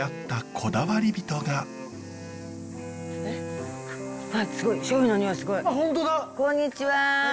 こんにちは。